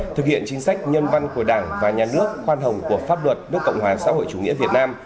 thực hiện chính sách nhân văn của đảng và nhà nước khoan hồng của pháp luật nước cộng hòa xã hội chủ nghĩa việt nam